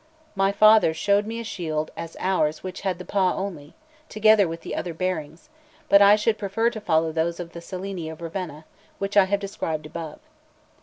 My father showed me a shield as ours which had the paw only, together with the other bearings; but I should prefer to follow those of the Cellini of Ravenna, which I have described above.